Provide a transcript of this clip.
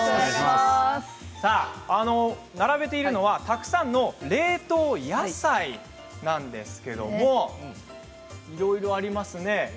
並べているのはたくさんの冷凍野菜なんですけどいろいろありますね。